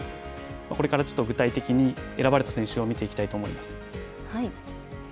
これからちょっと具体的に選ばれた選手を見ていきたいと思います。